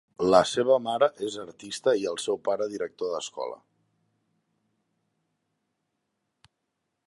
La seva mare és artista i el seu pare director d'escola.